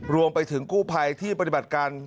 รวมไปถึงกู้ภัยที่ปฏิบัติการ